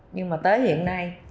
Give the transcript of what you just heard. nhưng mà tới hiện nay